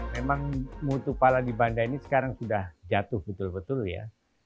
memang mutu pala di banda ini sekarang sudah jatuh betul betul ya